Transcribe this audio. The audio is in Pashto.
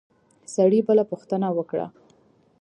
سړي بله پوښتنه وکړه.